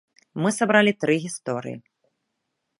Мы сабралі тры гісторыі.